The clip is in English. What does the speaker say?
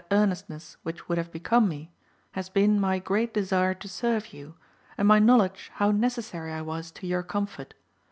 171 earnestness which would have become me, has been my great desire to serve you, and my knowledge how necessary I was to your comfort.